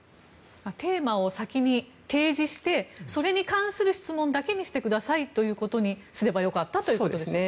テーマを先に提示してそれに関する質問だけにしてくださいということにすればよかったということですね。